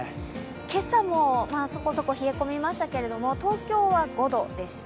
今朝もそこそこ冷え込みましたけれども、東京は５度でした。